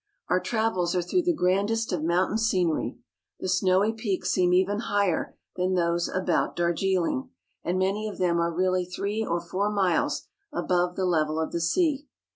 Our travels are through the grandest of mountain scenery. The snowy peaks seem even higher than those about Darjiling, and many of them are really three or four miles above the level of the sea.